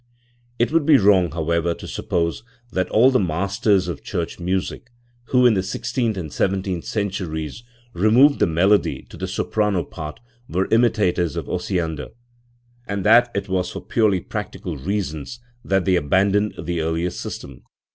* It would be wrong, however, to suppose that all the masters of church music who, in the sixteenth and seven teenth centuries, removed the melody to the soprano part, were imitators of Osiander, and that it was for purely practical reasons that they abandoned the earlier system.